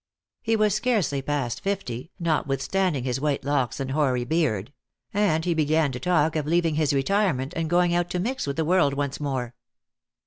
He was scarcely past fifty, notwithstanding his white locks and hoary beard; and he began to talk of leaving his retirement and going out to mix with the world once more.